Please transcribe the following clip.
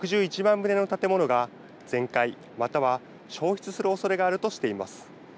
棟の建物が全壊または焼失するおそれがあるとしています。